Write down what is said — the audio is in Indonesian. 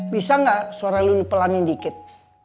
bisa gak suara lo dipelanin dikit